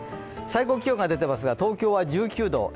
最高気温が出ていますが東京は１９度。